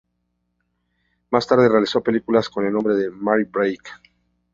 Más tarde, realizó películas con el nombre de Marie Blake.